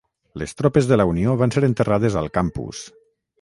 Les tropes de la Unió van ser enterrades al campus.